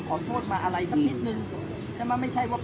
ตอนนี้กำหนังไปคุยของผู้สาวว่ามีคนละตบ